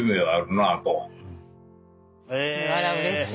あらうれしい。